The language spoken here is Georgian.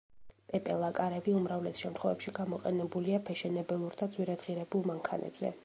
პეპელა კარები უმრავლეს შემთხვევებში გამოყენებულია ფეშენებელურ და ძვირადღირებულ მანქანებზე.